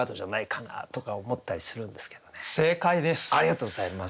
ありがとうございます。